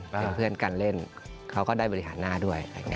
เป็นเพื่อนกันเล่นเขาก็ได้บริหารหน้าด้วย